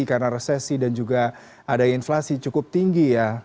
karena resesi dan juga adanya inflasi cukup tinggi ya